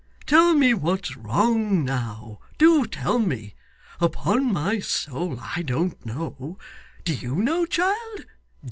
Tell me what's wrong now. Do tell me. Upon my soul I don't know. Do YOU know, child?